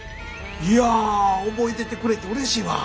いや覚えててくれてうれしいわ。